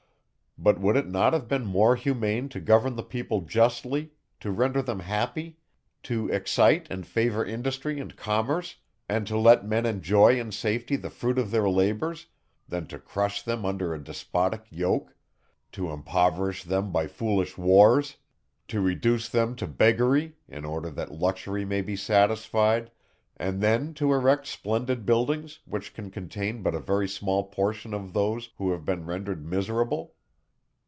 But would it not have been more humane to govern the people justly, to render them happy, to excite and favour industry and commerce, and to let men enjoy in safety the fruit of their labours, than to crush them under a despotic yoke, to impoverish them by foolish wars, to reduce them to beggary, in order that luxury may be satisfied, and then to erect splendid buildings, which can contain but a very small portion of those, who have been rendered miserable?